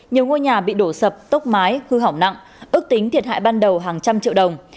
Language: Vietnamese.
nhiều ngôi nhà bị đổ sập tốc mái hư hỏng nặng ước tính thiệt hại ban đầu hàng trăm triệu đồng